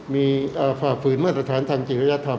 มีฝ่าฝืนมาตรฐานทางจิริยธรรม